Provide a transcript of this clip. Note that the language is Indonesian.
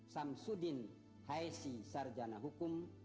samsudin haesi sarjana hukum